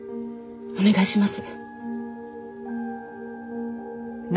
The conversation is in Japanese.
お願いします。